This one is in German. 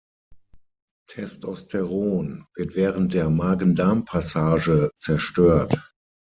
Testosteron wird während der Magen-Darm-Passage zerstört.